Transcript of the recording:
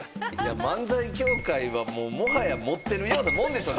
漫才協会はもはやナイツが持ってるようなもんでしょう。